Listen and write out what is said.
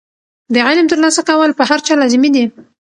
د علم ترلاسه کول په هر چا لازمي دي.